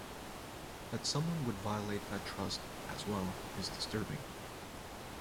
That somebody would violate that trust as well, is disturbing.